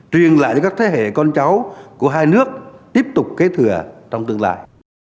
truyền lại cho các thế hệ con cháu của hai nước tiếp tục kế thừa trong tương lai